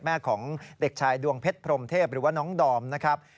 แม่ของเด็กชายดวงเพชรพรมเทพหรือว่าน้องดอมนะครับ